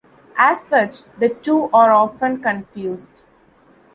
As such, the two are often confused.